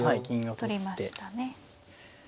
取りましたね。